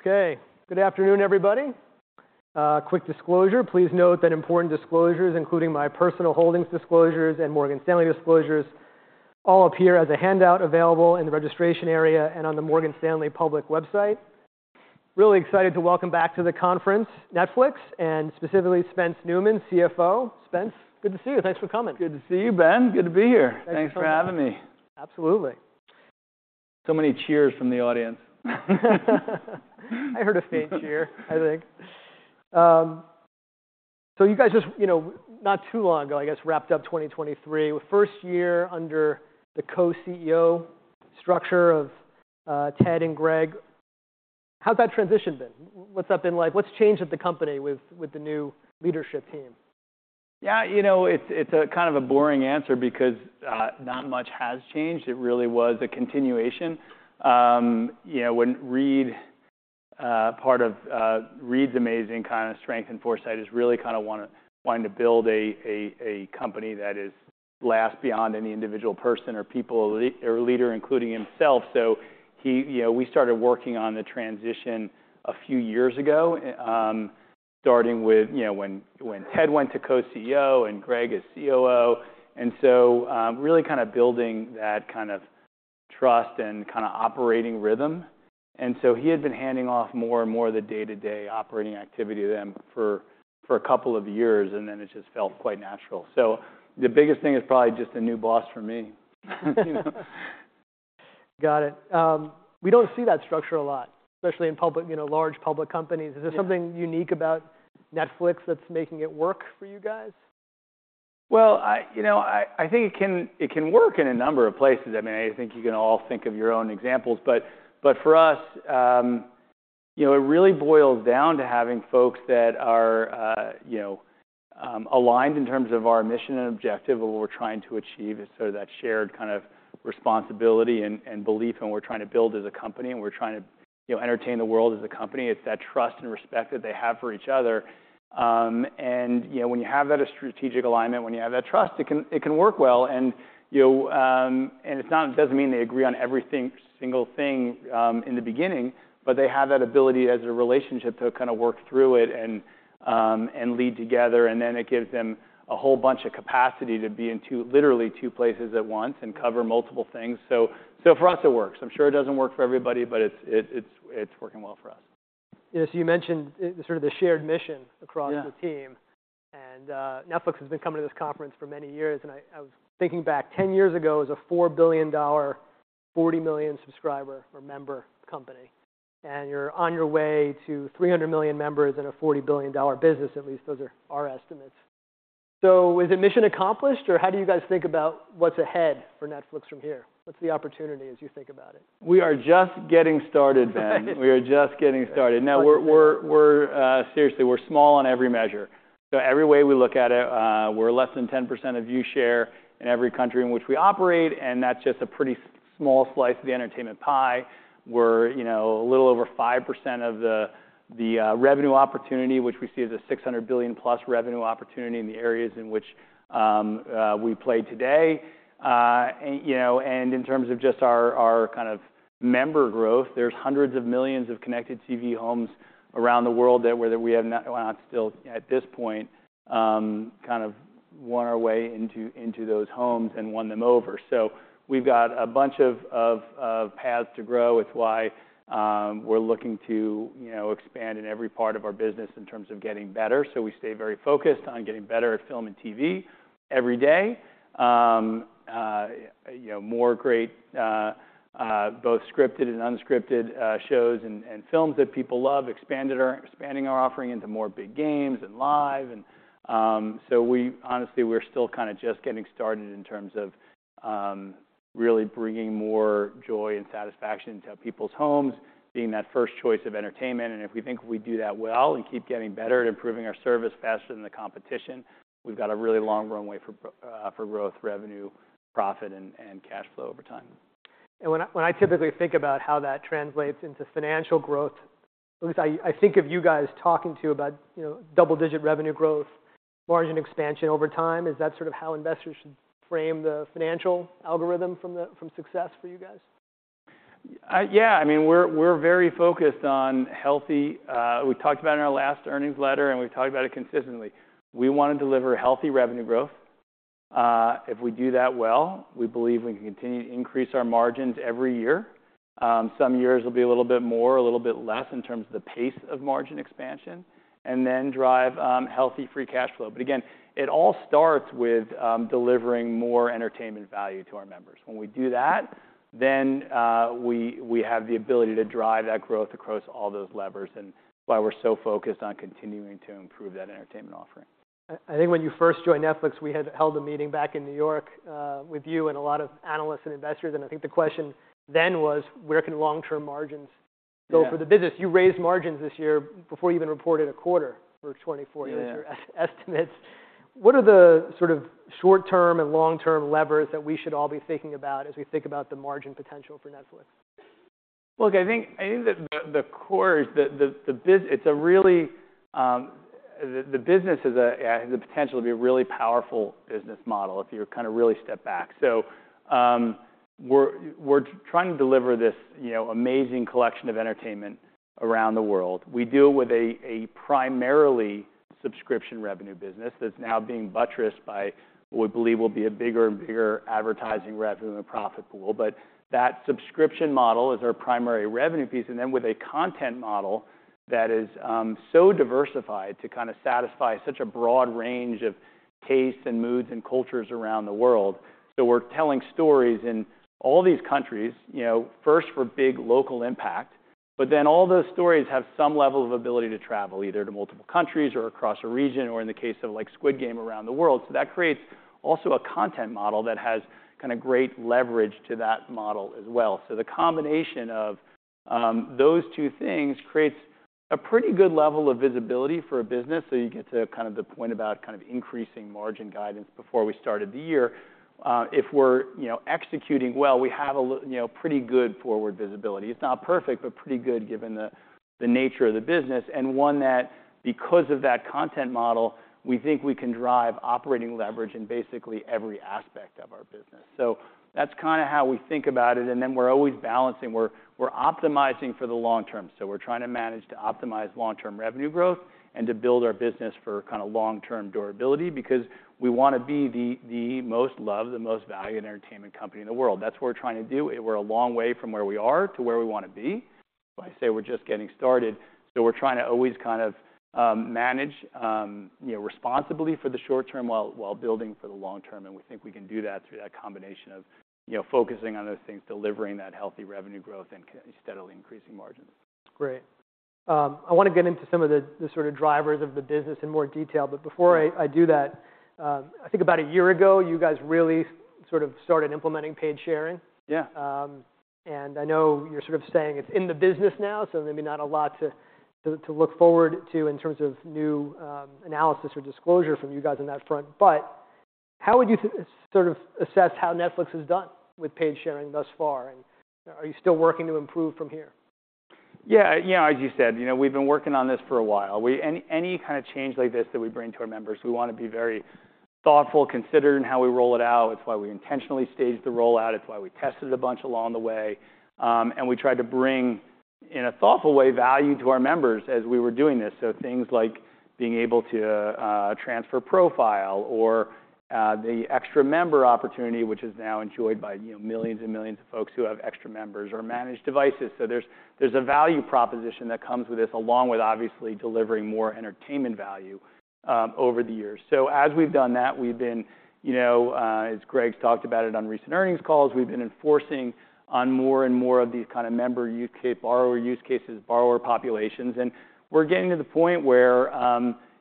Okay. Good afternoon, everybody. Quick disclosure: Please note that important disclosures, including my personal holdings disclosures and Morgan Stanley disclosures, all appear as a handout available in the registration area and on the Morgan Stanley public website. Really excited to welcome back to the conference, Netflix, and specifically Spencer Neumann, CFO. Spence, good to see you. Thanks for coming. Good to see you, Ben. Good to be here. Thanks for coming. Thanks for having me. Absolutely. So many cheers from the audience. I heard a faint cheer, I think. So you guys just, you know, not too long ago, I guess, wrapped up 2023, with first year under the co-CEO structure of Ted and Greg. What's that transition been? What's that been like? What's changed at the company with the new leadership team? Yeah, you know, it's, it's a kind of a boring answer because, not much has changed. It really was a continuation. You know, when Reed... part of Reed's amazing kind of strength and foresight is really kind of wanting to build a, a, a company that is last beyond any individual person or people or leader, including himself. So you know, we started working on the transition a few years ago, starting with, you know, when, when Ted went to co-CEO and Greg as COO, and so, really kind of building that kind of trust and kind of operating rhythm. And so he had been handing off more and more of the day-to-day operating activity to them for, for a couple of years, and then it just felt quite natural. So the biggest thing is probably just a new boss for me. Got it. We don't see that structure a lot, especially in public, you know, large public companies. Yeah. Is there something unique about Netflix that's making it work for you guys? Well, you know, I think it can work in a number of places. I mean, I think you can all think of your own examples, but for us, you know, it really boils down to having folks that are, you know, aligned in terms of our mission and objective of what we're trying to achieve. So that shared kind of responsibility and belief in what we're trying to build as a company, and we're trying to, you know, entertain the world as a company. It's that trust and respect that they have for each other. And, you know, when you have that strategic alignment, when you have that trust, it can work well. You know, it doesn't mean they agree on every single thing in the beginning, but they have that ability as a relationship to kind of work through it and lead together, and then it gives them a whole bunch of capacity to be in two, literally two places at once and cover multiple things. So for us, it works. I'm sure it doesn't work for everybody, but it's working well for us. Yes, you mentioned sort of the shared mission across- Yeah... the team, and Netflix has been coming to this conference for many years, and I was thinking back, 10 years ago, it was a $4 billion, 40 million subscriber or member company, and you're on your way to 300 million members and a $40 billion business, at least those are our estimates. So is it mission accomplished, or how do you guys think about what's ahead for Netflix from here? What's the opportunity as you think about it? We are just getting started, Ben. We are just getting started. Right. Now, seriously, we're small on every measure. So every way we look at it, we're less than 10% of view share in every country in which we operate, and that's just a pretty small slice of the entertainment pie. We're, you know, a little over 5% of the revenue opportunity, which we see as a $600 billion+ revenue opportunity in the areas in which we play today. And, you know, in terms of just our kind of member growth, there's hundreds of millions of connected TV homes around the world that where we have not went out still at this point, kind of won our way into those homes and won them over. So we've got a bunch of paths to grow. It's why, we're looking to, you know, expand in every part of our business in terms of getting better. So we stay very focused on getting better at film and TV every day. You know, more great both scripted and unscripted shows and films that people love, expanding our offering into more big games and live. And so we honestly, we're still kind of just getting started in terms of really bringing more joy and satisfaction to people's homes, being that first choice of entertainment, and if we think we do that well and keep getting better at improving our service faster than the competition, we've got a really long runway for growth, revenue, profit, and cash flow over time. When I typically think about how that translates into financial growth, at least I think of you guys talking about, you know, double-digit revenue growth, margin expansion over time. Is that sort of how investors should frame the financial algorithm from success for you guys? Yeah. I mean, we're very focused on healthy... We talked about it in our last earnings letter, and we've talked about it consistently. We wanna deliver healthy revenue growth. If we do that well, we believe we can continue to increase our margins every year. Some years will be a little bit more, a little bit less in terms of the pace of margin expansion, and then drive healthy free cash flow. But again, it all starts with delivering more entertainment value to our members. When we do that, then we have the ability to drive that growth across all those levers, and that's why we're so focused on continuing to improve that entertainment offering. I think when you first joined Netflix, we had held a meeting back in New York, with you and a lot of analysts and investors, and I think the question then was: Where can long-term margins- Yeah... go for the business? You raised margins this year before you even reported a quarter for 2040- Yeah - estimates. What are the sort of short-term and long-term levers that we should all be thinking about as we think about the margin potential for Netflix? Look, I think that the core business has the potential to be a really powerful business model if you kind of really step back. So, we're trying to deliver this, you know, amazing collection of entertainment around the world. We deal with a primarily subscription revenue business that's now being buttressed by what we believe will be a bigger and bigger advertising revenue and profit pool. But that subscription model is our primary revenue piece, and then with a content model that is so diversified to kind of satisfy such a broad range of tastes and moods and cultures around the world. So we're telling stories in all these countries, you know, first for big local impact, but then all those stories have some level of ability to travel, either to multiple countries or across a region, or in the case of, like, Squid Game, around the world. So that creates also a content model that has kind of great leverage to that model as well. So the combination of those two things creates a pretty good level of visibility for a business. So you get to kind of the point about kind of increasing margin guidance before we started the year. If we're, you know, executing well, we have a look. You know, pretty good forward visibility. It's not perfect, but pretty good given the nature of the business, and one that, because of that content model, we think we can drive operating leverage in basically every aspect of our business. So that's kind of how we think about it, and then we're always balancing. We're optimizing for the long term, so we're trying to manage to optimize long-term revenue growth and to build our business for kind of long-term durability because we want to be the most loved and most valued entertainment company in the world. That's what we're trying to do. We're a long way from where we are to where we want to be. When I say we're just getting started, so we're trying to always kind of manage, you know, responsibly for the short term, while building for the long term, and we think we can do that through that combination of, you know, focusing on those things, delivering that healthy revenue growth, and steadily increasing margins. Great. I want to get into some of the, the sort of drivers of the business in more detail, but before- Sure... I do that, I think about a year ago, you guys really sort of started implementing paid sharing. Yeah. And I know you're sort of saying it's in the business now, so maybe not a lot to look forward to in terms of new analysis or disclosure from you guys on that front. But how would you sort of assess how Netflix has done with paid sharing thus far? And are you still working to improve from here? Yeah. You know, as you said, you know, we've been working on this for a while. Any kind of change like this that we bring to our members, we want to be very thoughtful, considered in how we roll it out. It's why we intentionally staged the rollout, it's why we tested a bunch along the way, and we tried to bring, in a thoughtful way, value to our members as we were doing this. So things like being able to transfer profile or the Extra Member opportunity, which is now enjoyed by, you know, millions and millions of folks who have Extra Members or managed devices. So there's a value proposition that comes with this, along with obviously delivering more entertainment value over the years. So as we've done that, we've been, you know, as Greg's talked about it on recent earnings calls, we've been enforcing on more and more of these kind of member use cases, borrower use cases, borrower populations, and we're getting to the point where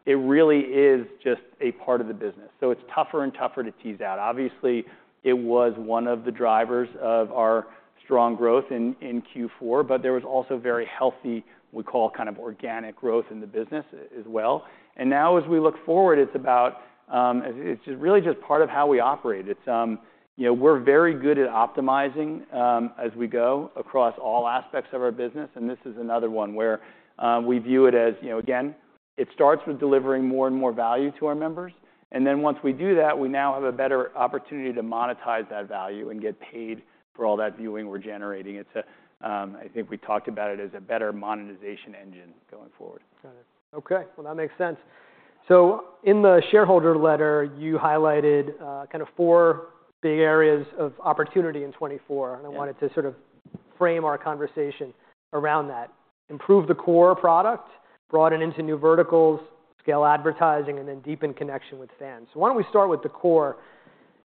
it really is just a part of the business, so it's tougher and tougher to tease out. Obviously, it was one of the drivers of our strong growth in Q4, but there was also very healthy, we call kind of organic growth in the business as well. And now, as we look forward, it's about. It's really just part of how we operate. It's, you know, we're very good at optimizing, as we go across all aspects of our business, and this is another one where we view it as, you know. Again, it starts with delivering more and more value to our members, and then once we do that, we now have a better opportunity to monetize that value and get paid for all that viewing we're generating. It's, I think we talked about it as a better monetization engine going forward. Got it. Okay, well, that makes sense. So in the shareholder letter, you highlighted, kind of four big areas of opportunity in 2024. Yeah. I wanted to sort of frame our conversation around that. Improve the core product, broaden into new verticals, scale advertising, and then deepen connection with fans. Why don't we start with the core?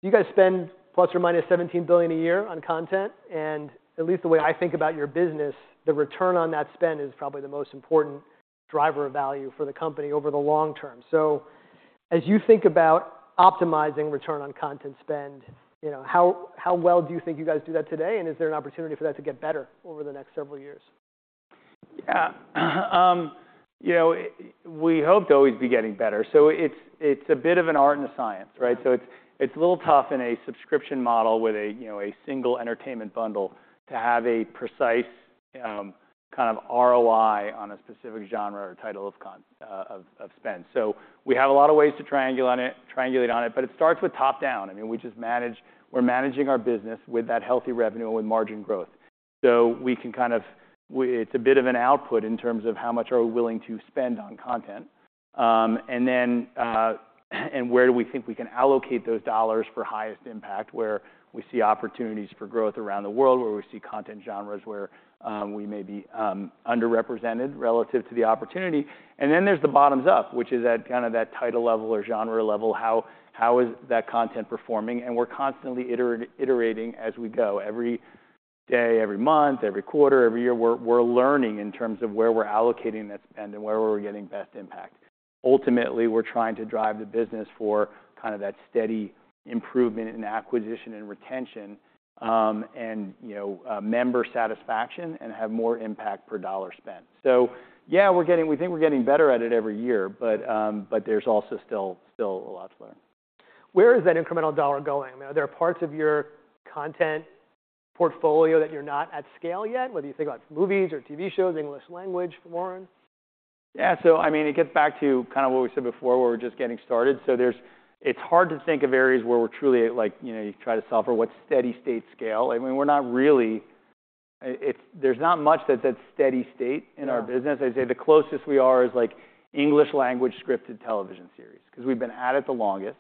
You guys spend ±$17 billion a year on content, and at least the way I think about your business, the return on that spend is probably the most important driver of value for the company over the long term. As you think about optimizing return on content spend, you know, how, how well do you think you guys do that today, and is there an opportunity for that to get better over the next several years? Yeah. You know, we hope to always be getting better. So it's a bit of an art and a science, right? So it's a little tough in a subscription model with a, you know, a single entertainment bundle to have a precise kind of ROI on a specific genre or title of content spend. So we have a lot of ways to triangulate on it, but it starts with top-down. I mean, we're managing our business with that healthy revenue and margin growth. So we can kind of... It's a bit of an output in terms of how much are we willing to spend on content, and then and where do we think we can allocate those dollars for highest impact, where we see opportunities for growth around the world, where we see content genres, where we may be underrepresented relative to the opportunity. And then there's the bottoms up, which is at kind of that title level or genre level, how is that content performing? And we're constantly iterating as we go. Every day, every month, every quarter, every year, we're learning in terms of where we're allocating that spend and where we're getting the best impact. Ultimately, we're trying to drive the business for kind of that steady improvement in acquisition and retention, and you know, member satisfaction and have more impact per dollar spent. So yeah, we think we're getting better at it every year, but there's also still a lot to learn.... Where is that incremental dollar going? Are there parts of your content portfolio that you're not at scale yet, whether you think about movies or TV shows, English language, foreign? Yeah, so I mean, it gets back to kind of what we said before, where we're just getting started. So, it's hard to think of areas where we're truly, like, you know, you try to solve for what's steady state scale. I mean, we're not really... There's not much that's at steady state in our business. Yeah. I'd say the closest we are is like English language scripted television series, because we've been at it the longest.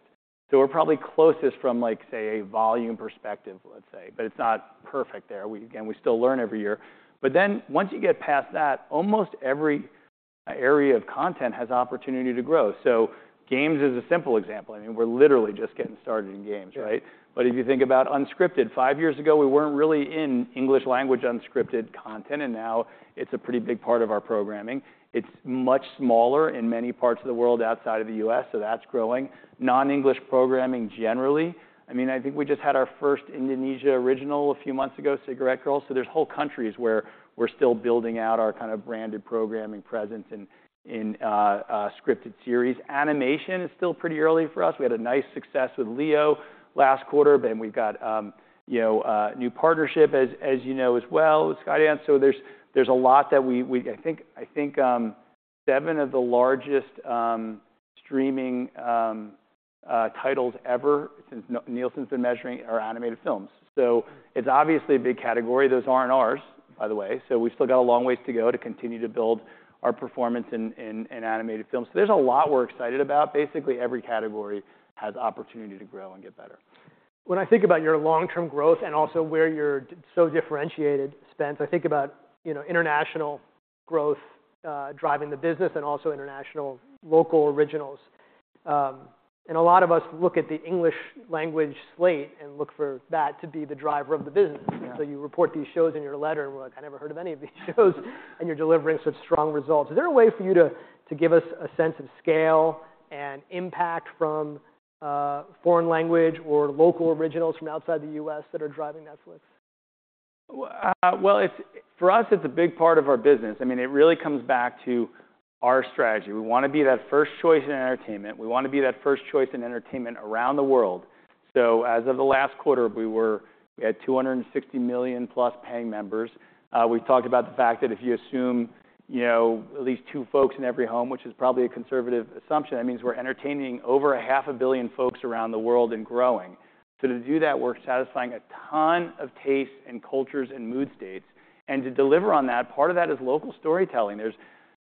So we're probably closest from, like, say, a volume perspective, let's say, but it's not perfect there. We, again, we still learn every year. But then once you get past that, almost every area of content has opportunity to grow. So games is a simple example. I mean, we're literally just getting started in games, right? Yeah. But if you think about unscripted, five years ago, we weren't really in English language unscripted content, and now it's a pretty big part of our programming. It's much smaller in many parts of the world outside of the U.S., so that's growing. Non-English programming, generally, I mean, I think we just had our first Indonesia original a few months ago, Cigarette Girls. So there's whole countries where we're still building out our kind of branded programming presence in scripted series. Animation is still pretty early for us. We had a nice success with Leo last quarter, but then we've got, you know, a new partnership, as you know as well, with Skydance. So there's a lot that we—I think seven of the largest streaming titles ever since Nielsen's been measuring are animated films. So it's obviously a big category. Those aren't ours, by the way. So we've still got a long ways to go to continue to build our performance in animated films. There's a lot we're excited about. Basically, every category has opportunity to grow and get better. When I think about your long-term growth and also where you're so differentiated, Spence, I think about, you know, international growth driving the business and also international local originals. A lot of us look at the English language slate and look for that to be the driver of the business. Yeah. So you report these shows in your letter, and we're like: "I never heard of any of these shows," and you're delivering such strong results. Is there a way for you to give us a sense of scale and impact from foreign language or local originals from outside the US that are driving Netflix? Well, for us, it's a big part of our business. I mean, it really comes back to our strategy. We wanna be that first choice in entertainment. We wanna be that first choice in entertainment around the world. So as of the last quarter, we were at 260 million plus paying members. We talked about the fact that if you assume, you know, at least two folks in every home, which is probably a conservative assumption, that means we're entertaining over half a billion folks around the world and growing. So to do that, we're satisfying a ton of tastes and cultures and mood states, and to deliver on that, part of that is local storytelling. There's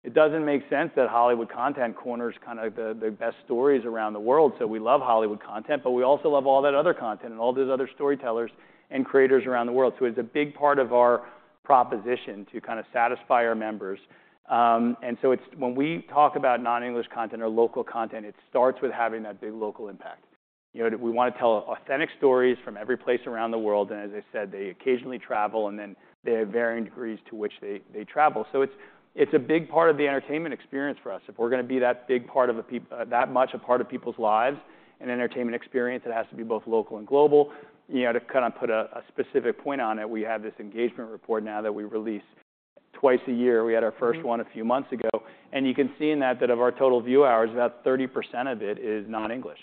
it doesn't make sense that Hollywood content corners kind of the best stories around the world. So we love Hollywood content, but we also love all that other content and all those other storytellers and creators around the world. So it's a big part of our proposition to kind of satisfy our members. And so it's... When we talk about non-English content or local content, it starts with having that big local impact. You know, we wanna tell authentic stories from every place around the world, and as I said, they occasionally travel, and then they have varying degrees to which they, they travel. So it's, it's a big part of the entertainment experience for us. If we're gonna be that big part of a, that much a part of people's lives and entertainment experience, it has to be both local and global. You know, to kind of put a specific point on it, we have this Engagement report now that we release twice a year. Mm-hmm. We had our first one a few months ago, and you can see in that of our total view hours, about 30% of it is not English.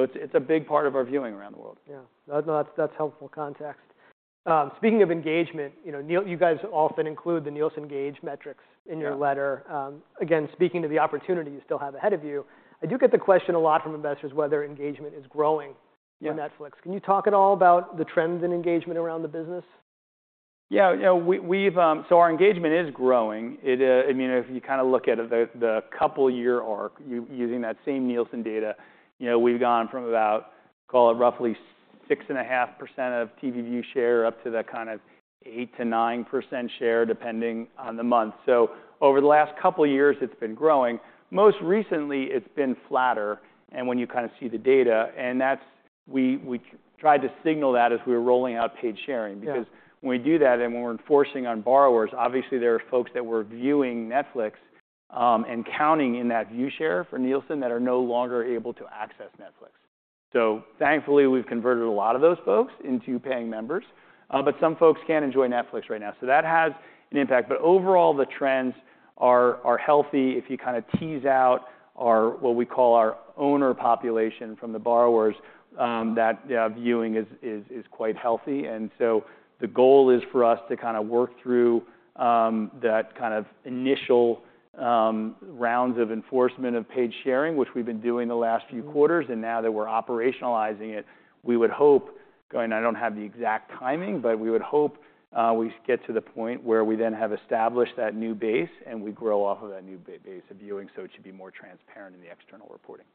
So it's a big part of our viewing around the world. Yeah. No, that's helpful context. Speaking of engagement, you know, Neil, you guys often include the Nielsen Gauge metrics in your letter. Yeah. Again, speaking to the opportunity you still have ahead of you, I do get the question a lot from investors, whether engagement is growing- Yeah... on Netflix. Can you talk at all about the trends in engagement around the business? Yeah. Yeah, we've. So our engagement is growing. It, I mean, if you kind of look at the couple year arc, using that same Nielsen data, you know, we've gone from about, call it, roughly 6.5% of TV view share, up to the kind of 8%-9% share, depending on the month. So over the last couple of years, it's been growing. Most recently, it's been flatter, and when you kind of see the data, and we tried to signal that as we were rolling out paid sharing. Yeah. Because when we do that and when we're enforcing on borrowers, obviously there are folks that were viewing Netflix, and counting in that view share for Nielsen that are no longer able to access Netflix. So thankfully, we've converted a lot of those folks into paying members, but some folks can't enjoy Netflix right now, so that has an impact. But overall, the trends are, are healthy. If you kind of tease out our, what we call our owner population from the borrowers, that viewing is, is, is quite healthy. And so the goal is for us to kind of work through that kind of initial rounds of enforcement of paid sharing, which we've been doing the last few quarters. Mm-hmm. Now that we're operationalizing it, we would hope, again, I don't have the exact timing, but we would hope we get to the point where we then have established that new base and we grow off of that new base of viewing, so it should be more transparent in the external reporting.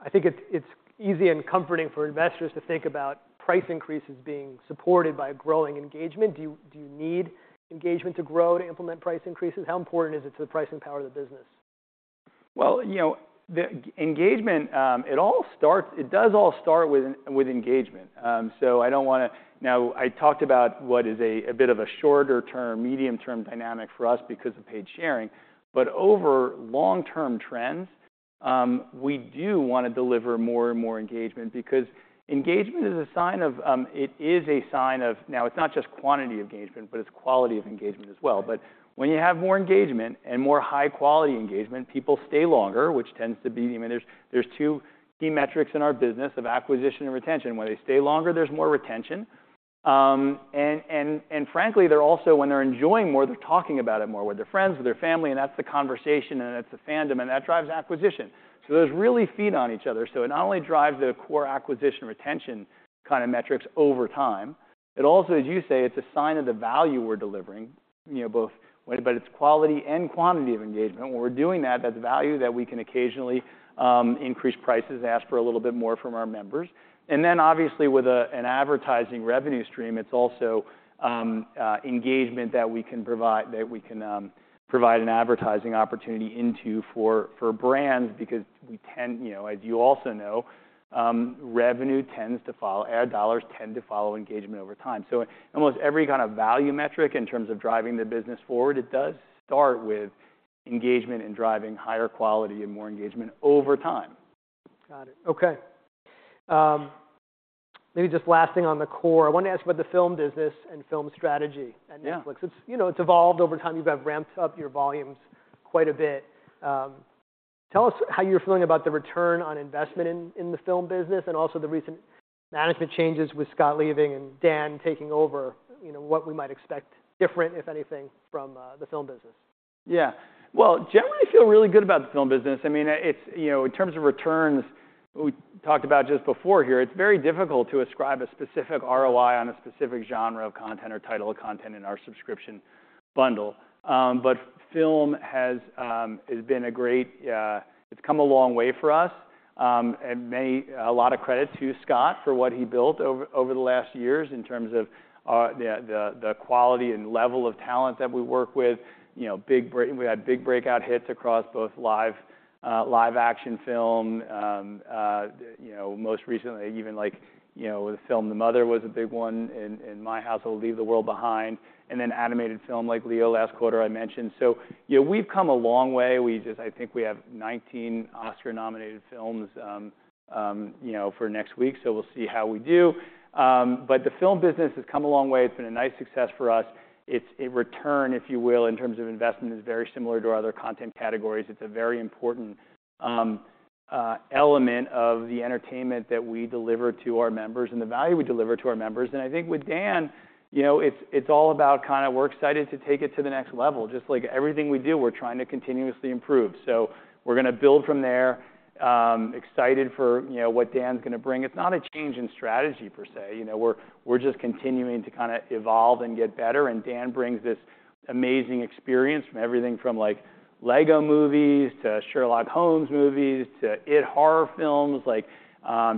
I think it's easy and comforting for investors to think about price increases being supported by a growing engagement. Do you need engagement to grow, to implement price increases? How important is it to the pricing power of the business? Well, you know, the engagement, it does all start with engagement. So I don't wanna... Now, I talked about what is a bit of a shorter term, medium-term dynamic for us because of paid sharing. But over long-term trends, we do want to deliver more and more engagement because... engagement is a sign of, it is a sign of. Now, it's not just quantity of engagement, but it's quality of engagement as well. But when you have more engagement and more high-quality engagement, people stay longer, which tends to be... I mean, there's two key metrics in our business: of acquisition and retention. When they stay longer, there's more retention. Frankly, they're also, when they're enjoying more, they're talking about it more with their friends, with their family, and that's the conversation, and it's the fandom, and that drives acquisition. So those really feed on each other. So it not only drives the core acquisition, retention kind of metrics over time, it also, as you say, it's a sign of the value we're delivering, you know, both but it's quality and quantity of engagement. When we're doing that, that's value that we can occasionally increase prices, ask for a little bit more from our members. And then obviously, with an advertising revenue stream, it's also engagement that we can provide that we can provide an advertising opportunity into for brands, because we tend, you know, as you also know, revenue tends to follow ad dollars tend to follow engagement over time. So almost every kind of value metric in terms of driving the business forward, it does start with engagement and driving higher quality and more engagement over time. Got it. Okay. Maybe just last thing on the core. I want to ask about the film business and film strategy at Netflix. Yeah. It's, you know, it's evolved over time. You guys have ramped up your volumes quite a bit. Tell us how you're feeling about the return on investment in the film business and also the recent management changes with Scott leaving and Dan taking over, you know, what we might expect different, if anything, from the film business. Yeah. Well, generally, I feel really good about the film business. I mean, it's, you know, in terms of returns, we talked about just before here, it's very difficult to ascribe a specific ROI on a specific genre of content or title of content in our subscription bundle. But film has been a great. It's come a long way for us, and give a lot of credit to Scott for what he built over the last years in terms of the quality and level of talent that we work with. You know, we had big breakout hits across both live action film, you know, most recently, even like, you know, the film The Mother was a big one in my household, Leave the World Behind, and then animated film like Leo, last quarter, I mentioned. So, you know, we've come a long way. We just I think we have 19 Oscar-nominated films, you know, for next week, so we'll see how we do. But the film business has come a long way. It's been a nice success for us. It's a return, if you will, in terms of investment, is very similar to our other content categories. It's a very important element of the entertainment that we deliver to our members and the value we deliver to our members. I think with Dan, you know, it's, it's all about kinda we're excited to take it to the next level. Just like everything we do, we're trying to continuously improve, so we're gonna build from there. Excited for, you know, what Dan's gonna bring. It's not a change in strategy per se. You know, we're, we're just continuing to kinda evolve and get better, and Dan brings this amazing experience from everything from, like, LEGO movies to Sherlock Holmes movies, to It horror films. Like,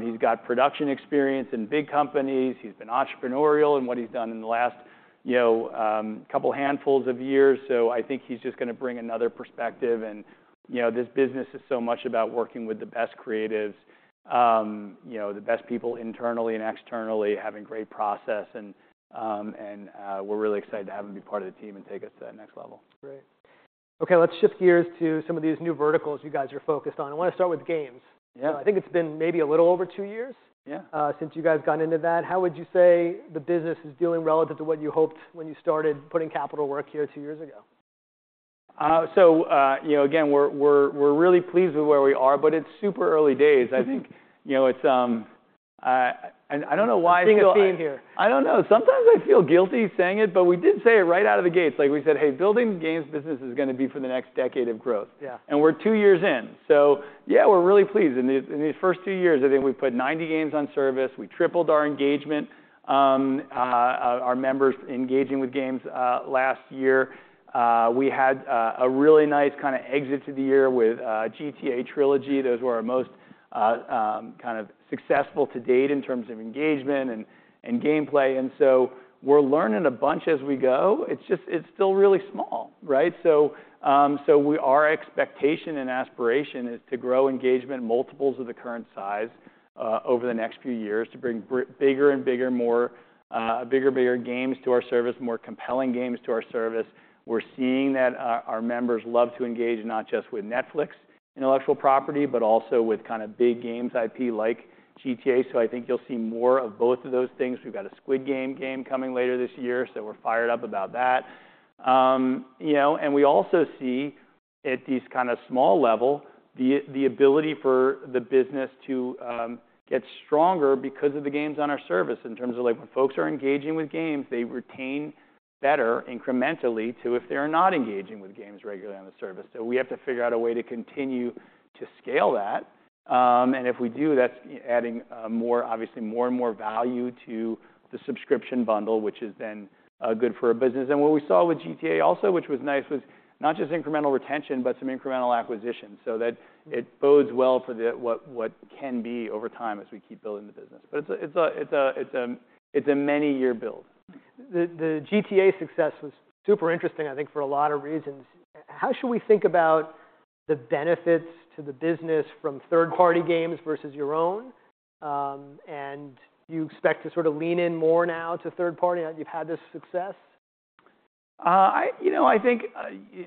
he's got production experience in big companies. He's been entrepreneurial in what he's done in the last, you know, couple handfuls of years. So I think he's just gonna bring another perspective, and, you know, this business is so much about working with the best creatives, you know, the best people internally and externally, having great process, and we're really excited to have him be part of the team and take us to that next level. Great. Okay, let's shift gears to some of these new verticals you guys are focused on. I want to start with games. Yeah. I think it's been maybe a little over two years. Yeah... since you guys got into that. How would you say the business is doing relative to what you hoped when you started putting capital work here two years ago? So, you know, again, we're really pleased with where we are, but it's super early days. I think, you know, and I don't know why- Being a theme here. I don't know. Sometimes I feel guilty saying it, but we did say it right out of the gates. Like we said, "Hey, building the games business is gonna be for the next decade of growth. Yeah. We're two years in, so yeah, we're really pleased. In these first two years, I think we've put 90 games on service. We tripled our engagement, our members engaging with games. Last year, we had a really nice kinda exit to the year with GTA Trilogy. Those were our most kind of successful to date in terms of engagement and gameplay, and so we're learning a bunch as we go. It's just, it's still really small, right? So, our expectation and aspiration is to grow engagement multiples of the current size over the next few years, to bring bigger and bigger, more bigger, bigger games to our service, more compelling games to our service. We're seeing that our members love to engage not just with Netflix intellectual property, but also with kind of big games IP like GTA. So I think you'll see more of both of those things. We've got a Squid Game game coming later this year, so we're fired up about that. You know, and we also see at this kind of small level, the ability for the business to get stronger because of the games on our service, in terms of like when folks are engaging with games, they retain better incrementally to if they're not engaging with games regularly on the service. So we have to figure out a way to continue to scale that. And if we do, that's adding more, obviously more and more value to the subscription bundle, which is then good for our business. And what we saw with GTA also, which was nice, was not just incremental retention, but some incremental acquisition. So that it bodes well for what can be over time as we keep building the business. But it's a many-year build. The GTA success was super interesting, I think, for a lot of reasons. How should we think about the benefits to the business from third-party games versus your own? And do you expect to sort of lean in more now to third party now that you've had this success?... I you know I think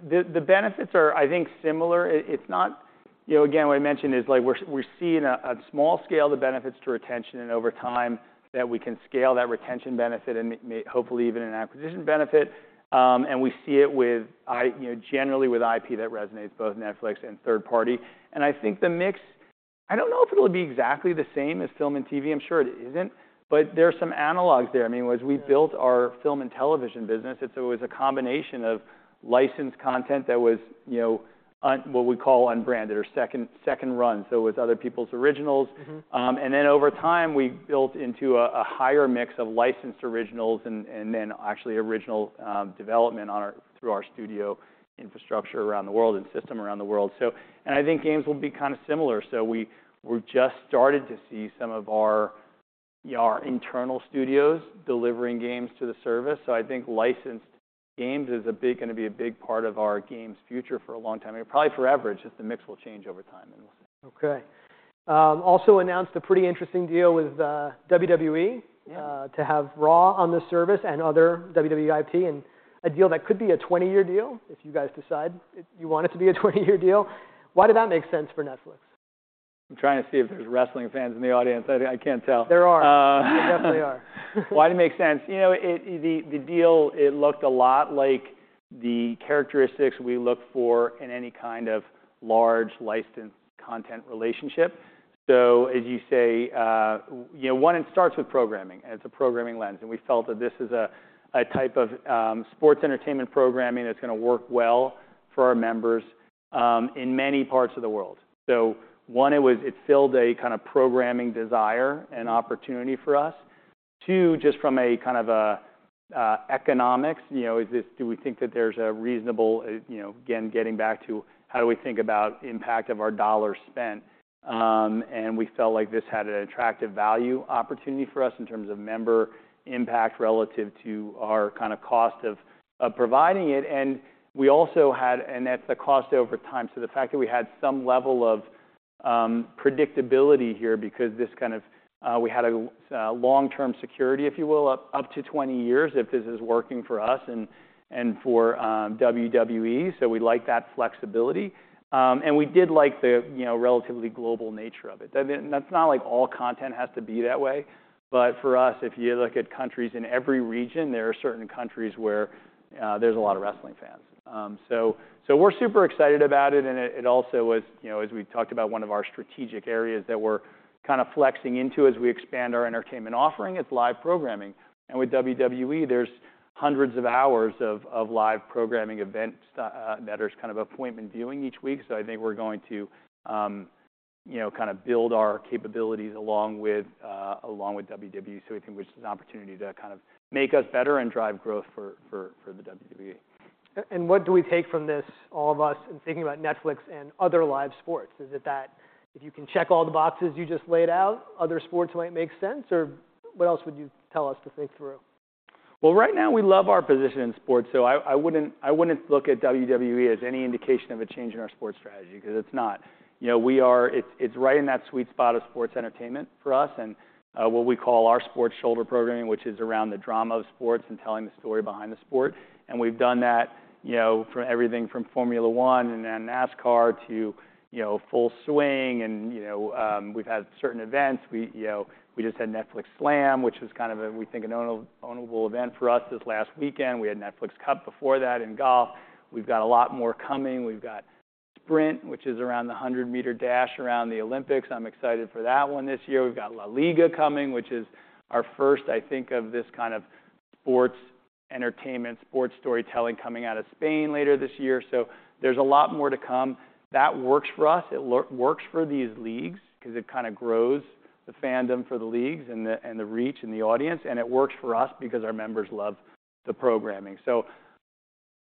the benefits are I think similar. It's not you know again what I mentioned is like we're seeing a small scale of the benefits to retention and over time that we can scale that retention benefit and hopefully even an acquisition benefit. And we see it with you know generally with IP that resonates both Netflix and third party. And I think the mix I don't know if it'll be exactly the same as film and TV. I'm sure it isn't but there are some analogs there. I mean as we built our film and television business it's always a combination of licensed content that was you know What we call unbranded or second run so with other people's originals. Mm-hmm. And then, over time, we built into a higher mix of licensed originals and then actually original development through our studio infrastructure around the world and system around the world. So, and I think games will be kind of similar. So we've just started to see some of our internal studios delivering games to the service, so I think licensed games is a big gonna be a big part of our games future for a long time, and probably forever. It's just the mix will change over time, and we'll see. Okay. Also announced a pretty interesting deal with WWE- Yeah... to have Raw on the service and other WWE IP, and a deal that could be a 20-year deal if you guys decide if you want it to be a 20-year deal. Why did that make sense for Netflix? I'm trying to see if there's wrestling fans in the audience. I can't tell. There are. Uh. There definitely are. Why did it make sense? You know, the deal, it looked a lot like the characteristics we look for in any kind of large licensed content relationship. So as you say, you know, one, it starts with programming, it's a programming lens, and we felt that this is a type of sports entertainment programming that's gonna work well for our members in many parts of the world. So one, it was, it filled a kind of programming desire- Mm... and opportunity for us. Two, just from a kind of economics, you know, is this, do we think that there's a reasonable, again, getting back to how do we think about impact of our dollars spent? And we felt like this had an attractive value opportunity for us in terms of member impact relative to our kind of cost of providing it. And we also had... And at the cost over time, so the fact that we had some level of predictability here, because this kind of we had a long-term security, if you will, up to 20 years, if this is working for us and for WWE, so we like that flexibility. And we did like the, you know, relatively global nature of it. That's not like all content has to be that way, but for us, if you look at countries in every region, there are certain countries where there's a lot of wrestling fans. So, so we're super excited about it, and it, it also was, you know, as we talked about, one of our strategic areas that we're kind of flexing into as we expand our entertainment offering, it's live programming. And with WWE, there's hundreds of hours of, of live programming events that is kind of appointment viewing each week. So I think we're going to, you know, kind of build our capabilities along with, along with WWE. So we think this is an opportunity to kind of make us better and drive growth for, for, for the WWE. And what do we take from this, all of us, in thinking about Netflix and other live sports? Is it that if you can check all the boxes you just laid out, other sports might make sense, or what else would you tell us to think through? Well, right now, we love our position in sports, so I wouldn't look at WWE as any indication of a change in our sports strategy, because it's not. You know, we are—it's right in that sweet spot of sports entertainment for us and what we call our sports shoulder programming, which is around the drama of sports and telling the story behind the sport. And we've done that, you know, for everything from Formula One and then NASCAR to, you know, Full Swing, and we've had certain events. We, you know, we just had Netflix Slam, which was kind of a, we think, an ownable event for us this last weekend. We had Netflix Cup before that in golf. We've got a lot more coming. We've got Sprint, which is around the 100-meter dash around the Olympics. I'm excited for that one this year. We've got LaLiga coming, which is our first, I think, of this kind of sports entertainment, sports storytelling coming out of Spain later this year. So there's a lot more to come. That works for us. It works for these leagues because it kind of grows the fandom for the leagues and the, and the reach and the audience, and it works for us because our members love the programming. So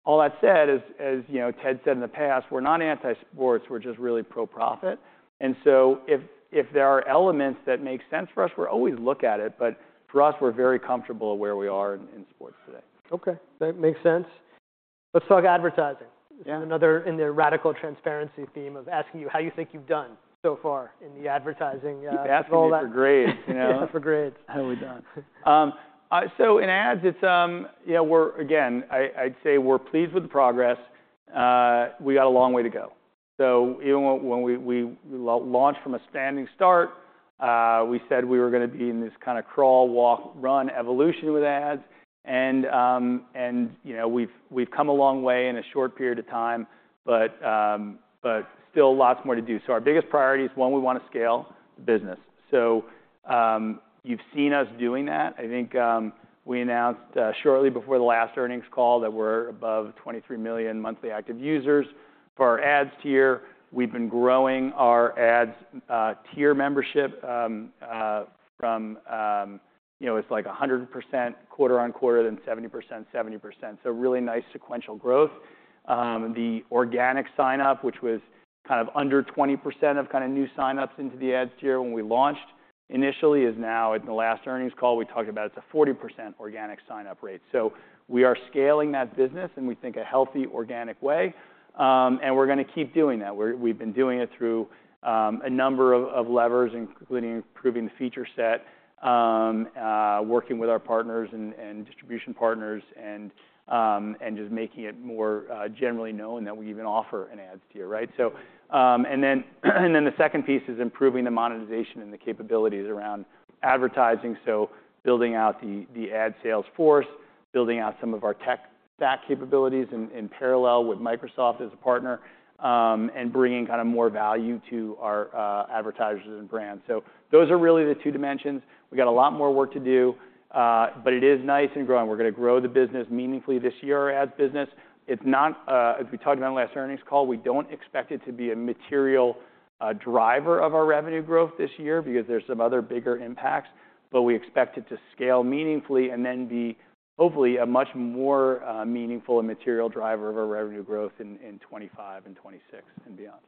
all that said, as, as you know, Ted said in the past, we're not anti-sports, we're just really pro profit. And so if, if there are elements that make sense for us, we'll always look at it, but for us, we're very comfortable where we are in, in sports today. Okay, that makes sense. Let's talk advertising. Yeah. Another in the radical transparency theme of asking you how you think you've done so far in the advertising role? You're asking me for grades, you know? For grades. How we've done. So in ads, it's, you know, we're again. I'd say we're pleased with the progress. We got a long way to go. So, you know, when we launched from a standing start, we said we were gonna be in this kind of crawl, walk, run evolution with ads. And, you know, we've come a long way in a short period of time, but still lots more to do. So our biggest priority is, one, we wanna scale the business. So, you've seen us doing that. I think, we announced shortly before the last earnings call that we're above 23 million monthly active users. For our ads tier, we've been growing our ads tier membership from, you know, it's like 100% quarter-over-quarter, then 70%, 70%, so really nice sequential growth. The organic sign-up, which was kind of under 20% of kind of new sign-ups into the ads tier when we launched initially is now, in the last earnings call, we talked about it's a 40% organic sign-up rate. So we are scaling that business in we think a healthy, organic way, and we're gonna keep doing that. We've been doing it through a number of levers, including improving the feature set, working with our partners and distribution partners, and just making it more generally known that we even offer an ads tier, right? So, and then the second piece is improving the monetization and the capabilities around advertising, so building out the ad sales force, building out some of our tech stack capabilities in parallel with Microsoft as a partner, and bringing kind of more value to our advertisers and brands. So those are really the two dimensions. We've got a lot more work to do, but it is nice and growing. We're gonna grow the business meaningfully this year, our ads business. It's not, as we talked about in our last earnings call, we don't expect it to be a material driver of our revenue growth this year because there's some other bigger impacts, but we expect it to scale meaningfully and then be, hopefully, a much more meaningful and material driver of our revenue growth in 2025 and 2026 and beyond.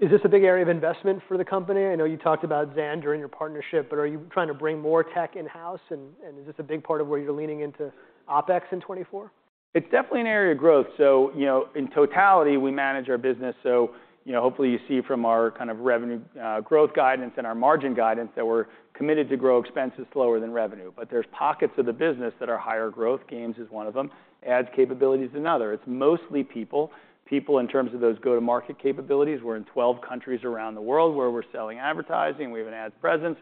Is this a big area of investment for the company? I know you talked about Xandr and your partnership, but are you trying to bring more tech in-house, and is this a big part of where you're leaning into OpEx in 2024? It's definitely an area of growth. So, you know, in totality, we manage our business, so, you know, hopefully, you see from our kind of revenue growth guidance and our margin guidance, that we're committed to grow expenses slower than revenue. But there's pockets of the business that are higher growth. Games is one of them, ads capability is another. It's mostly people, people in terms of those go-to-market capabilities. We're in 12 countries around the world where we're selling advertising, we have an ads presence.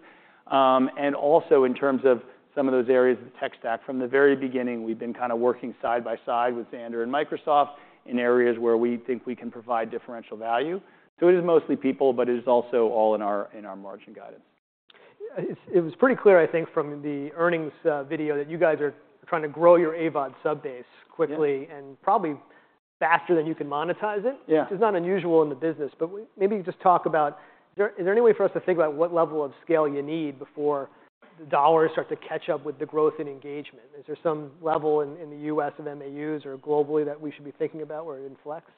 And also in terms of some of those areas of the tech stack, from the very beginning, we've been kind of working side by side with Xandr and Microsoft in areas where we think we can provide differential value. So it is mostly people, but it is also all in our, in our margin guidance. It was pretty clear, I think, from the earnings video, that you guys are trying to grow your AVOD sub base quickly- Yeah... and probably faster than you can monetize it. Yeah. Which is not unusual in the business, but maybe just talk about... Is there, is there any way for us to think about what level of scale you need before the dollars start to catch up with the growth in engagement? Is there some level in, in the U.S. and MAUs or globally that we should be thinking about where it inflects?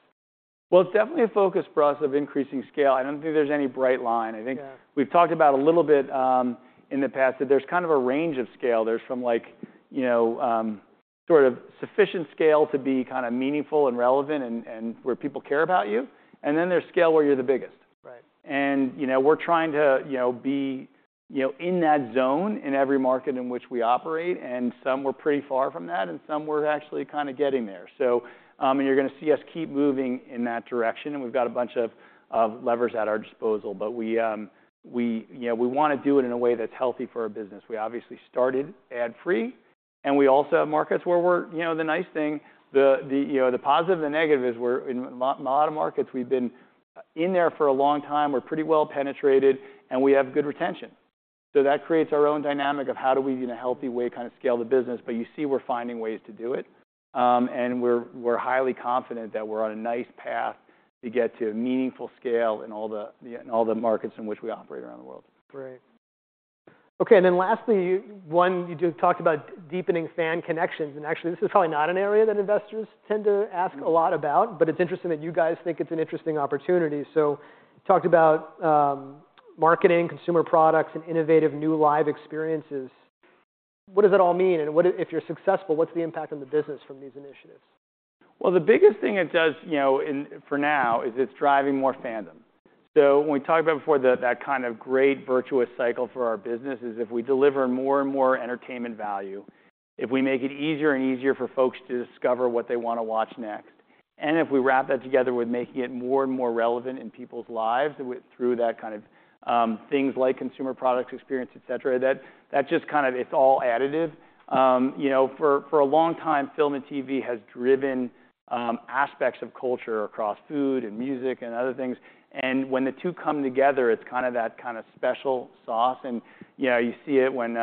Well, it's definitely a focus for us of increasing scale. I don't think there's any bright line. Yeah. I think we've talked about a little bit in the past, that there's kind of a range of scale. There's from like, you know, sort of sufficient scale to be kind of meaningful and relevant and where people care about you, and then there's scale where you're the biggest. Right. You know, we're trying to, you know, be, you know, in that zone in every market in which we operate, and some we're pretty far from that, and some we're actually kind of getting there. So, and you're gonna see us keep moving in that direction, and we've got a bunch of levers at our disposal. But we... You know, we wanna do it in a way that's healthy for our business. We obviously started ad-free, and we also have markets where we're- you know, the nice thing, the, you know, the positive and the negative is we're in a lot of markets, we've been in there for a long time, we're pretty well penetrated, and we have good retention. So that creates our own dynamic of how do we, in a healthy way, kind of scale the business, but you see we're finding ways to do it. And we're highly confident that we're on a nice path to get to a meaningful scale in all the markets in which we operate around the world. Great. Okay, and then lastly, one, you just talked about deepening fan connections, and actually, this is probably not an area that investors tend to ask a lot about- Mm... but it's interesting that you guys think it's an interesting opportunity. So you talked about marketing, consumer products, and innovative new live experiences. What does it all mean? And what- if you're successful, what's the impact on the business from these initiatives? Well, the biggest thing it does, you know, in, for now, is it's driving more fandom. So when we talked about before, that, that kind of great virtuous cycle for our business is if we deliver more and more entertainment value, if we make it easier and easier for folks to discover what they want to watch next, and if we wrap that together with making it more and more relevant in people's lives through that kind of, things like consumer products, experience, et cetera, that, that's just kind of... It's all additive. You know, for, for a long time, film and TV has driven, aspects of culture across food and music and other things. And when the two come together, it's kind of that kind of special sauce. And, yeah, you see it when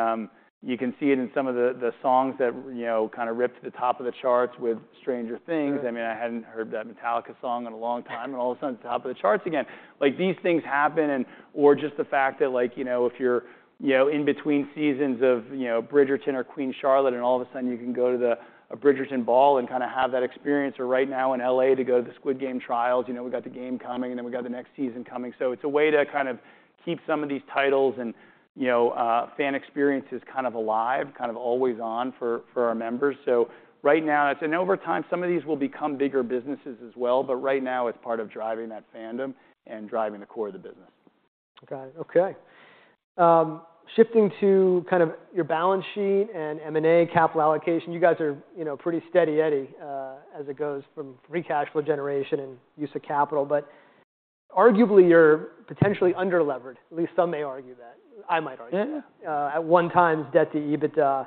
you can see it in some of the songs that, you know, kind of rip to the top of the charts with Stranger Things. Right. I mean, I hadn't heard that Metallica song in a long time, and all of a sudden, it's top of the charts again. Like, these things happen or just the fact that, like, you know, if you're, you know, in between seasons of, you know, Bridgerton or Queen Charlotte, and all of a sudden you can go to a Bridgerton ball and kind of have that experience, or right now in L.A. to go to the Squid Game trials. You know, we've got the game coming, and then we've got the next season coming. So it's a way to kind of keep some of these titles and, you know, fan experiences kind of alive, kind of always on for, for our members. So right now, it's... Over time, some of these will become bigger businesses as well, but right now it's part of driving that fandom and driving the core of the business. Got it. Okay. Shifting to kind of your balance sheet and M&A capital allocation. You guys are, you know, pretty steady eddy, as it goes from free cash flow generation and use of capital, but arguably, you're potentially underlevered. At least some may argue that. I might argue that. Yeah. At one time, debt to EBITDA,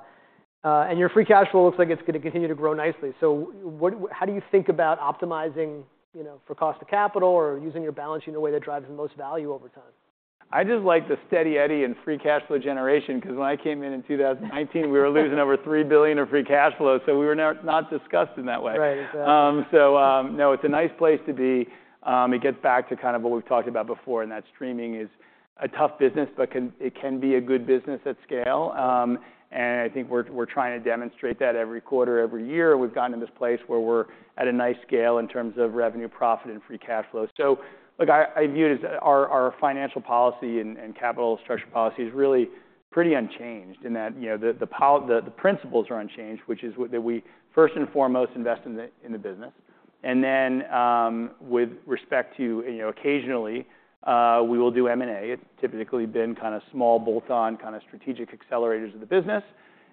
and your free cash flow looks like it's gonna continue to grow nicely. So, what, how do you think about optimizing, you know, for cost of capital or using your balance sheet in a way that drives the most value over time? I just like the steady eddy and free cash flow generation, 'cause when I came in in 2019, we were losing over $3 billion in free cash flow, so we were not, not discussing that way. Right. Exactly. So, no, it's a nice place to be. It gets back to kind of what we've talked about before, and that streaming is a tough business, but it can be a good business at scale. And I think we're trying to demonstrate that every quarter, every year. We've gotten to this place where we're at a nice scale in terms of revenue, profit, and free cash flow. So look, I view it as our financial policy and capital structure policy is really pretty unchanged in that, you know, the principles are unchanged, which is that we first and foremost invest in the business. And then, with respect to, you know, occasionally, we will do M&A. It's typically been kind of small, bolt-on, kind of strategic accelerators of the business.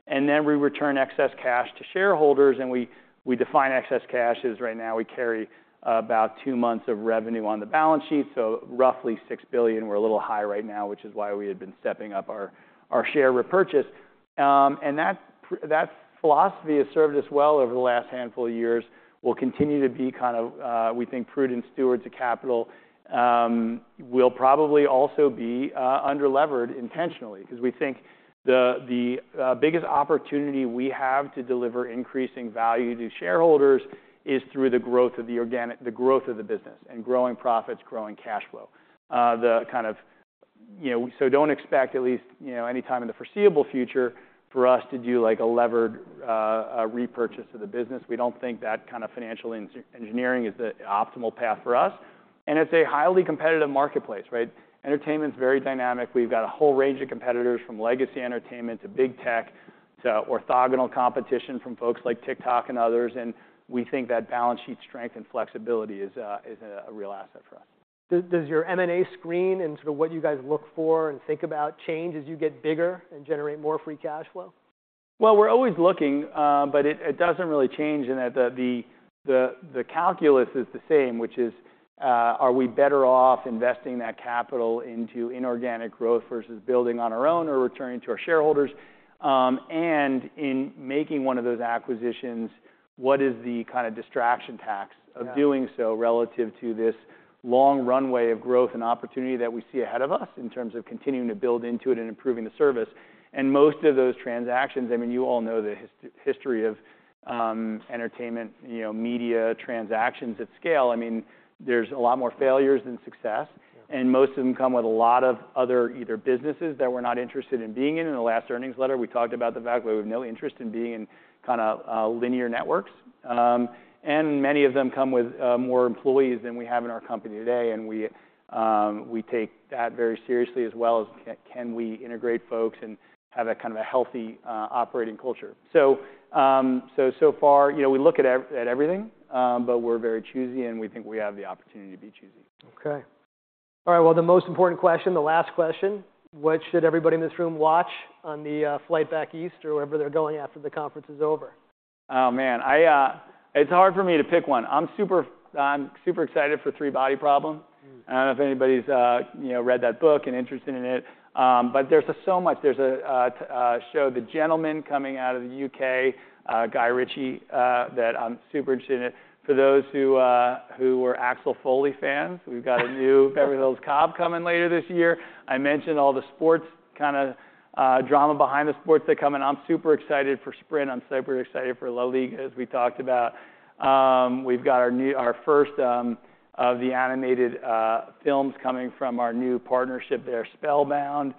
And then we return excess cash to shareholders, and we define excess cash as right now we carry about two months of revenue on the balance sheet, so roughly $6 billion. We're a little high right now, which is why we had been stepping up our share repurchase. And that philosophy has served us well over the last handful of years, will continue to be kind of, we think, prudent stewards of capital. We'll probably also be under-levered intentionally, because we think the biggest opportunity we have to deliver increasing value to shareholders is through the growth of the business and growing profits, growing cash flow. The kind of... You know, so don't expect, at least, you know, anytime in the foreseeable future, for us to do, like, a levered, a repurchase of the business. We don't think that kind of financial engineering is the optimal path for us. It's a highly competitive marketplace, right? Entertainment's very dynamic. We've got a whole range of competitors, from legacy entertainment, to Big Tech, to orthogonal competition from folks like TikTok and others, and we think that balance sheet strength and flexibility is a real asset for us. Does your M&A screen and sort of what you guys look for and think about change as you get bigger and generate more free cash flow? Well, we're always looking, but it doesn't really change in that the calculus is the same, which is, are we better off investing that capital into inorganic growth versus building on our own or returning to our shareholders? And in making one of those acquisitions, what is the kind of distraction tax- Yeah... of doing so relative to this long runway of growth and opportunity that we see ahead of us in terms of continuing to build into it and improving the service? And most of those transactions, I mean, you all know the history of entertainment, you know, media transactions at scale. I mean, there's a lot more failures than success- Yeah... and most of them come with a lot of other either businesses that we're not interested in being in. In the last earnings letter, we talked about the fact that we have no interest in being in kind of linear networks. And many of them come with more employees than we have in our company today, and we, we take that very seriously as well as can we integrate folks and have a kind of a healthy operating culture? So, so far, you know, we look at everything, but we're very choosy, and we think we have the opportunity to be choosy. Okay. All right, well, the most important question, the last question: What should everybody in this room watch on the flight back east or wherever they're going after the conference is over? Oh, man, I... It's hard for me to pick one. I'm super, I'm super excited for 3 Body Problem. Mm. I don't know if anybody's, you know, read that book and interested in it, but there's just so much. There's a show, The Gentlemen, coming out of the U.K., Guy Ritchie, that I'm super interested in it. For those who were Axel Foley fans. We've got a new Beverly Hills Cop coming later this year. I mentioned all the sports kind of drama behind the sports that are coming. I'm super excited for Sprint. I'm super excited for LaLiga, as we talked about. We've got our new, our first of the animated films coming from our new partnership, they're Spellbound.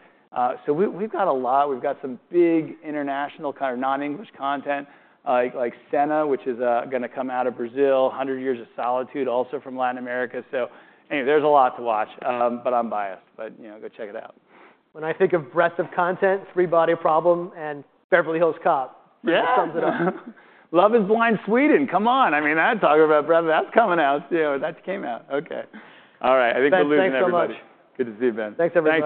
So we, we've got a lot. We've got some big international, kind of non-English content, like Senna, which is gonna come out of Brazil. Hundred Years of Solitude, also from Latin America. So anyway, there's a lot to watch, but I'm biased. But, you know, go check it out. When I think of breadth of content, 3 Body Problem and Beverly Hills Cop- Yeah... sums it up. Love Is Blind: Sweden, come on! I mean, I'd talk about breadth. That's coming out, you know. That came out. Okay. All right, I think we're losing everybody. Thanks. Thanks so much. Good to see you, Ben. Thanks, everybody.